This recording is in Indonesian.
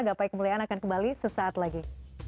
gapai kemuliaan akan kembali sesaat lagi